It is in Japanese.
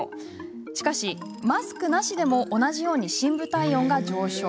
しかし、マスクなしでも同じように深部体温が上昇。